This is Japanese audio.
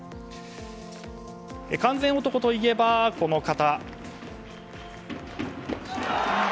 完全男といえば、この方。